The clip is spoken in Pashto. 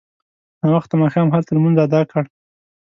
ناوخته ماښام هلته لمونځ اداء کړ.